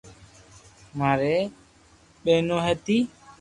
ماري ٻينو ھتي